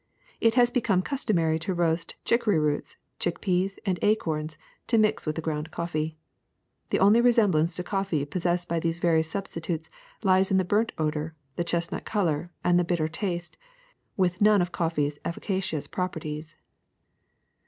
It has become customary to roast chicory roots, chick peas, and acorns, to mix with the ground coffee. The only resemblance to coffee possessed by these various substances lies in the burnt odor, the chestnut color, and the bitter taste, with none of coffee's efficacious properties.